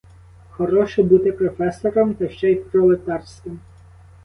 Хороше бути професором, та ще й пролетарським!